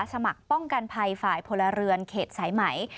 สมัครป้องกันภัยฝ่ายพลเรือนเขตสายไหม